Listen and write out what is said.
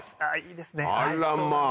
あらまぁ！